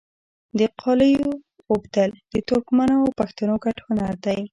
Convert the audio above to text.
د قالیو اوبدل د ترکمنو او پښتنو ګډ هنر دی.